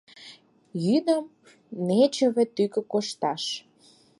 — Йӱдым нечыве тӱгӧ кошташ!